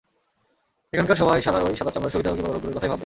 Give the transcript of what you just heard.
এখানকার সবাই শালার ঐ সাদা চামড়ার সুবিধাভোগী বড়লোকগুলোর কথাই ভাববে।